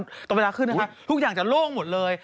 ตรงเวลาขึ้นนะคะทุกอย่างจะโล่งหมดเลย